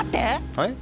はい？